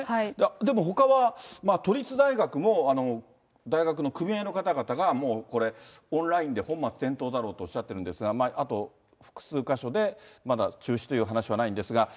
でもほかは、都立大学も大学の組合の方々が、オンラインで本末転倒だろうとおっしゃってるんですが、あと複数箇所でまだ中止という話はないんですが。